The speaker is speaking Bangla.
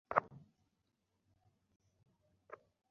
কেবল তার পেটের মধ্যে পুঁথির শুকনো পাতা খসখস গজগজ করিতে লাগিল।